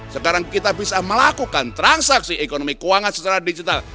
sekarang kita bisa melakukan transaksi ekonomi keuangan secara digital